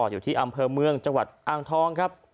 อยู่ที่อำเภอเมืองจังหวัดอ่างทองครับ